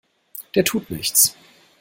Der tut nichts!